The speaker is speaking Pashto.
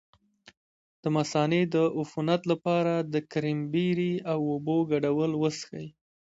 د مثانې د عفونت لپاره د کرینبیري او اوبو ګډول وڅښئ